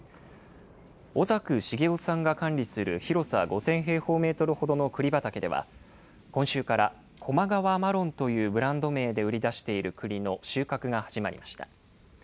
小作重雄さんが管理する広さ５０００平方メートルほどのくり畑では、今週から高麗川マロンというブランド名で売り出しているくりの収穫が始まりました。